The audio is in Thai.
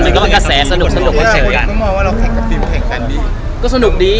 มีคลิกว่าเรามีคลิกนี้ก็มีความสุข